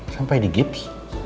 sampai di gips